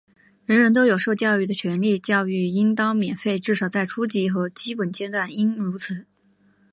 人人都有受教育的权利,教育应当免费,至少在初级和基本阶段应如此。